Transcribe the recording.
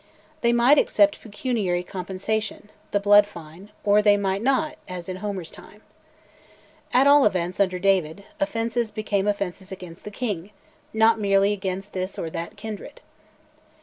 They might accept pecuniary compensation, the blood fine, or they might not, as in Homer's time. At all events, under David, offences became offences against the King, not merely against this or that kindred.